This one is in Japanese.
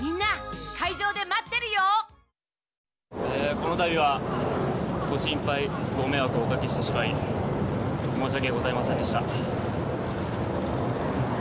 このたびはご心配、ご迷惑をおかけしてしまい、申し訳ございませんでした。